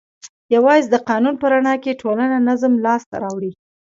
یوازې د قانون په رڼا کې ټولنه نظم لاس ته راوړي.